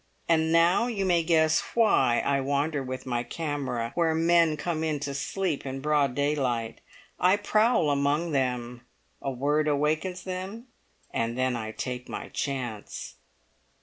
And now you may guess why I wander with my camera where men come in to sleep in broad daylight. I prowl among them; a word awakens them; and then I take my chance."